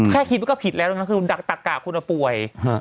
แค่คิดแล้วก็ผิดแล้วนะคือดักตักกะคุณป่วย